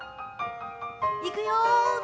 いくよ。